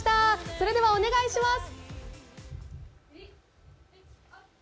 それではお願いします。